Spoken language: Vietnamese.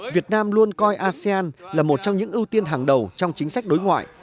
việt nam luôn coi asean là một trong những ưu tiên hàng đầu trong chính sách đối ngoại